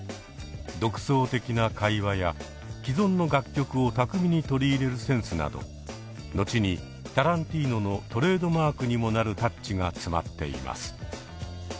独創的な会話や既存の楽曲を巧みに取り入れるセンスなど後にタランティーノのトレードマークにもなるタッチが詰まっています。